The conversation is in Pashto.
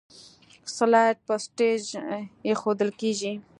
سلایډ په سټیج ایښودل کیږي.